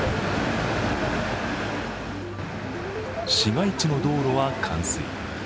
市街地の道路は冠水。